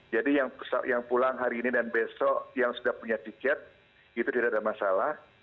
jadi yang pulang hari ini dan besok yang sudah punya tiket itu tidak ada masalah